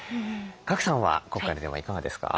賀来さんは今回のテーマいかがですか？